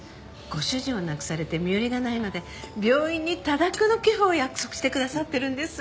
ご主人を亡くされて身寄りがないので病院に多額の寄付を約束してくださってるんです。